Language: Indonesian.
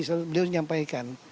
selalu beliau menyampaikan